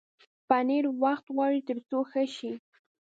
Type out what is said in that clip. پنېر وخت غواړي تر څو ښه شي.